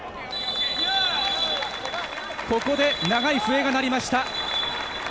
ここで長い笛が鳴りました。